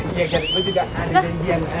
iya ger gue juga ada janjian